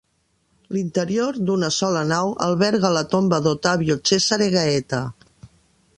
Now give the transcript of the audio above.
L'interior, d'una sola nau, alberga la tomba d'Ottavio Cesare Gaeta.